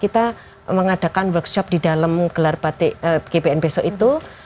kita mengadakan workshop di dalam gelar batik gbn besok itu